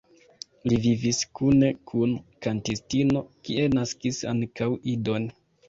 Li vivis kune kun kantistino, kie naskis ankaŭ idon.